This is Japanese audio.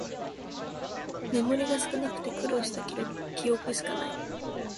メモリが少なくて苦労した記憶しかない